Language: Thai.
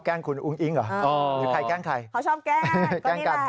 แกล้งคุณอุ้งอิ้งหรอหรือใครแกล้งใครเขาชอบแกล้งก็นี่แหละ